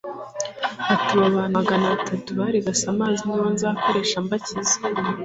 ati abo bantu magana atatu barigase amazi ni bo nzakoresha mbakiza